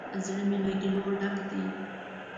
زړه می له ګیلو ډک دی